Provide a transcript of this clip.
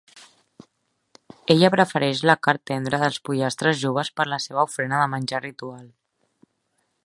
Ella prefereix la car tendra dels pollastres joves per la seva ofrena de menjar ritual.